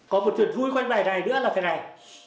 có một chuyện vui quanh bài này nữa là thế này